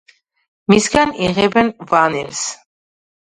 მისგან იღებენ ვანილს.